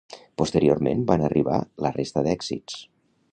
Posteriorment van arribar la resta d'èxits.